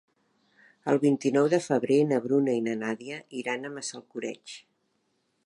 El vint-i-nou de febrer na Bruna i na Nàdia iran a Massalcoreig.